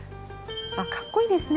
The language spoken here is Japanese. かっこいいですね。